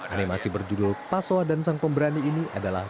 animasi berjudul pasoa dan sang pemberani ini adalah